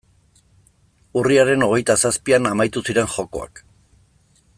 Urriaren hogeita zazpian amaitu ziren jokoak.